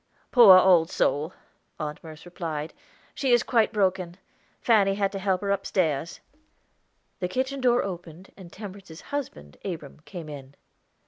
"Poor old soul," Aunt Merce replied, "she is quite broken. Fanny had to help her upstairs." The kitchen door opened, and Temperance's husband, Abram, came in.